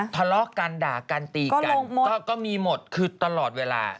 ทะเลาะกันด่ากันตีกันก็มีหมดคือตลอดเวลา